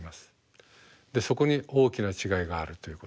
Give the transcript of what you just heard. でそこに大きな違いがあるということ。